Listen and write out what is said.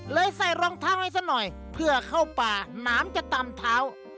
ใส่รองเท้าไว้ซะหน่อยเพื่อเข้าป่าน้ำจะตำเท้า